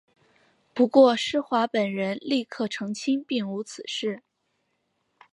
不过施华本人立刻澄清并无此事。